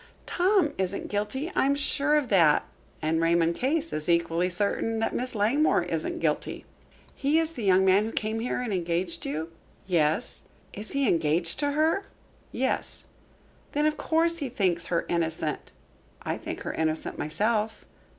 "Tom isn't guilty, I am sure of that." "And Raymond Case is equally certain that Miss Langmore isn't guilty." "He is the young man who came here and engaged you?" "Yes." "Is he engaged to her?" "Yes." "Then, of course, he thinks her innocent." "I think her innocent myself."